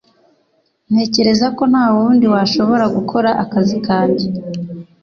Ntekereza ko ntawundi washobora gukora akazi kanjye.